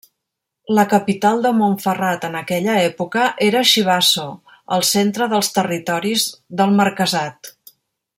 La capital de Montferrat en aquella època era Chivasso, al centre dels territoris del marquesat.